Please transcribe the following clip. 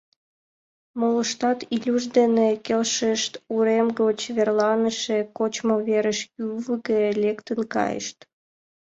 Молыштат Илюш дене келшышт, урем гоч верланыше кочмо верыш ювыге лектын кайышт.